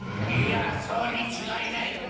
いやそうにちがいない！